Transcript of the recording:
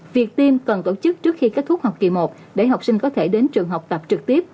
việc tiêm cần tổ chức trước khi kết thúc học kỳ một để học sinh có thể đến trường học tập trực tiếp